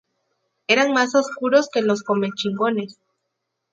Eran más oscuros que los Comechingones.